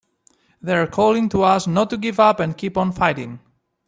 They're calling to us not to give up and to keep on fighting!